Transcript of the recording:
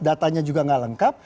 datanya juga gak lengkap